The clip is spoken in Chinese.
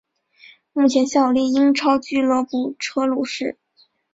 目前效力英超俱乐部车路士。